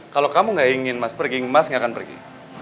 kalau kamu nggak ingin mas pergi mas nggak akan pergi